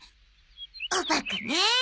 おバカね。